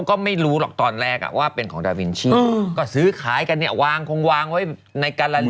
ก็ไม่รู้หรอกตอนแรกอ่ะว่าเป็นของดาวินชีก็ซื้อขายกันเนี่ยวางคงวางไว้ในการัน